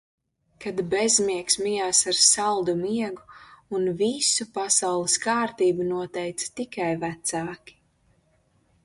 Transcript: Kad bezmiegs mijās ar saldu miegu un visu pasaules kārtību noteica tikai vecāki...